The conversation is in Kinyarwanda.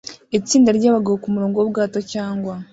Itsinda ryabagabo kumurongo wubwato cyangwa